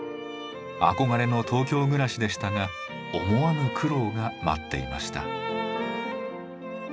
憧れの東京暮らしでしたが思わぬ苦労が待っていました。